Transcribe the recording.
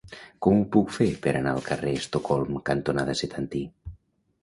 Com ho puc fer per anar al carrer Estocolm cantonada Setantí?